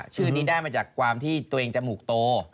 ชื่อนี้ได้มาจากความที่ตัวเองจมูกโต